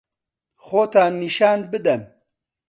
خۆتان نیشان بدەن.